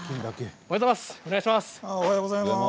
おはようございます。